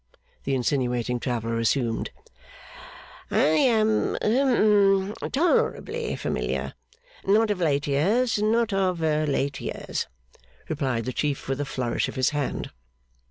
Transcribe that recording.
the insinuating traveller assumed. 'I am hum tolerably familiar. Not of late years. Not of late years,' replied the Chief, with a flourish of his hand.